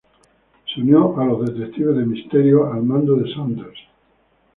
Se unió a "Los Detectives de Misterio", al mando de Saunders.